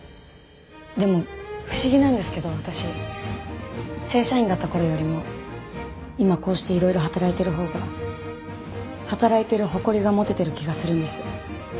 でも不思議なんですけど私正社員だった頃よりも今こうしていろいろ働いてるほうが働いてる誇りが持ててる気がするんです。